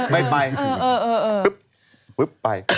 ไม่ไปปึ๊บไป